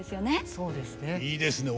そうですね。